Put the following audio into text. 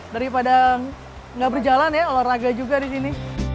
daripada nggak berjalan ya olahraga juga di sini